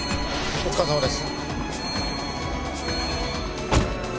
お疲れさまです。